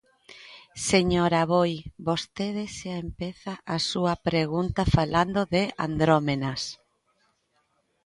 Señor Aboi, vostede xa empeza a súa pregunta falando de andrómenas.